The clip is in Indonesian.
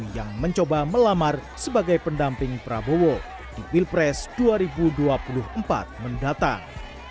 yang mencoba melamar sebagai pendamping prabowo di pilpres dua ribu dua puluh empat mendatang